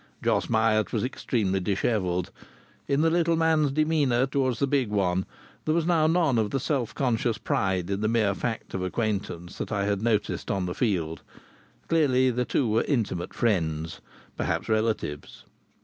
Jos Myatt was extremely dishevelled. In the little man's demeanour towards the big one there was now none of the self conscious pride in the mere fact of acquaintance that I had noticed on the field. Clearly the two were intimate friends, perhaps relatives.